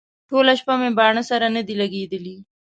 ټوله شپه مې باڼه سره نه دي لګېدلي.